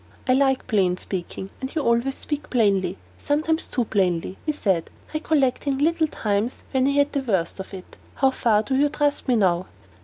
"I like plain speaking, and you always speak plainly; sometimes too plainly," he said, recollecting little times when he had the worst of it. "How far do you trust me now?"